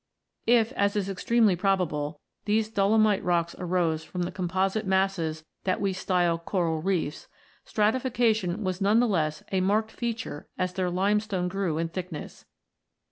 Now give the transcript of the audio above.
If, as is extremely probable, these dolomite rocks arose from the com posite masses that we style coral reefs, stratification was none the less a marked feature as their limestone grew in thickness.